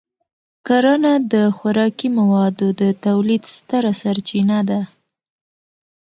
کرنه د خوراکي موادو د تولید ستره سرچینه ده.